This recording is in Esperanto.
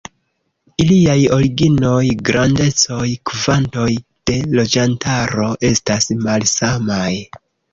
Iliaj originoj, grandecoj, kvantoj de loĝantaro estas malsamaj.